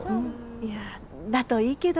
いやだといいけど。